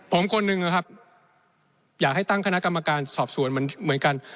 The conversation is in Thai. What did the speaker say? ผมคนหนึ่งนะครับอยากให้ตั้งคณะกรรมการสอบสวนมันเหมือนกัน